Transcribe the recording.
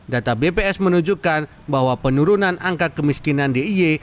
data bps menunjukkan bahwa penurunan angka kemiskinan d i y